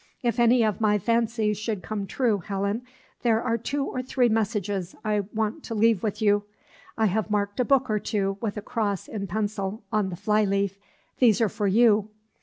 If any of my fancies should come true, Helen, there are two or three messages I want to leave with you. I have marked a book or two with a cross in pencil on the fly leaf; these are for you.